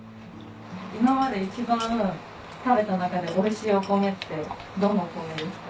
今まで一番食べた中でおいしいおコメってどのおコメですか？